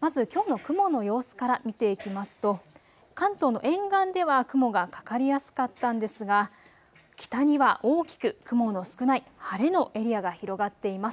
まずきょうの雲の様子から見ていきますと、関東の沿岸では雲がかかりやすかったんですが、北には大きく雲の少ない晴れのエリアが広がっています。